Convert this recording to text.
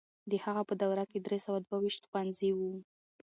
د هغه په دوره کې درې سوه دوه ويشت ښوونځي وو.